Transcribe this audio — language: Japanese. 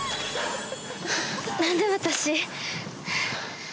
何で私？